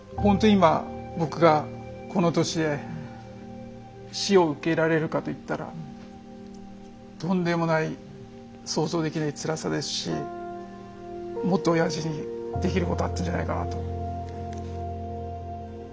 今僕がこの年で死を受け入れられるかといったらとんでもない想像できないつらさですしもっとおやじにできることあったんじゃないかなと。